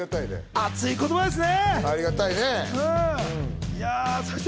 熱い言葉ですね。